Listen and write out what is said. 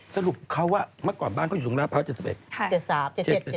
สรุปเขาเมื่อก่อนบ้านเขาอยู่สุงฆาตภาพวัฒนธรรม๗๑